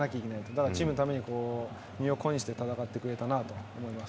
だからチームのために身を粉にして戦ってくれたなと思います。